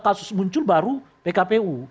kasus muncul baru pkpu